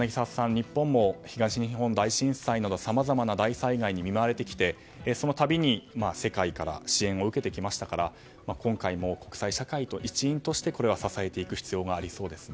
日本も東日本大震災などさまざまな大災害に見舞われてきてその度に、世界から支援を受けてきましたから今回も国際社会の一員として支えていく必要がありそうですね。